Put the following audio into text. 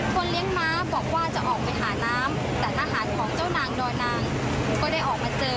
เลี้ยงม้าบอกว่าจะออกไปหาน้ำแต่ทหารของเจ้านางดอนางก็ได้ออกมาเจอ